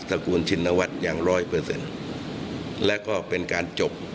ระกูลชินวัฒน์อย่างร้อยเปอร์เซ็นต์และก็เป็นการจบ